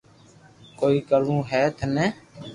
ڪوئي ڪروہ ھي ٿني